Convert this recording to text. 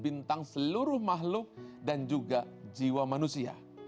bintang seluruh makhluk dan juga jiwa manusia